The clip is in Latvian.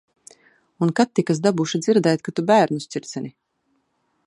Un kad tik es dabūšu dzirdēt, ka tu bērnus ķircini.